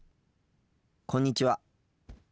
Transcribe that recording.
こんにちは。